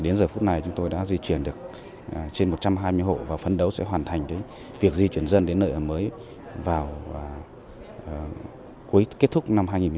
đến giờ phút này chúng tôi đã di chuyển được trên một trăm hai mươi hộ và phấn đấu sẽ hoàn thành việc di chuyển dân đến nơi ở mới vào cuối kết thúc năm hai nghìn một mươi chín